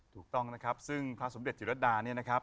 ถูกต้องนะครับซึ่งพระสมเด็จจิรดาเนี่ยนะครับ